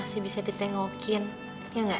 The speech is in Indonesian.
masih bisa ditengokin ya enggak